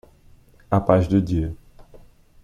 A paz do dia